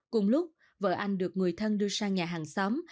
cùng lúc vợ anh được người thân đưa sang nhà hàng xóm